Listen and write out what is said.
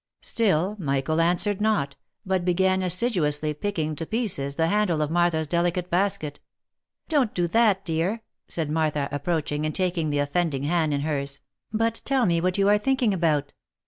Still Michael answered not, but began assiduously picking to pieces the handle of Martha's delicate basket. " Don't do that, dear," said Martha, approaching, and taking the offending hand in hers ;" but tell me what you are thinking about?"